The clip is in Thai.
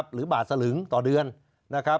หรือบาทสลึงต่อเดือน